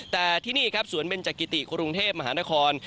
แต่ที่นี่สวนเบนจักริติคลุงเทพฯมหานคร